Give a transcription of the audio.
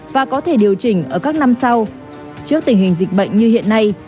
và có thể điều chỉnh ở các năm sau trước tình hình dịch bệnh như hiện nay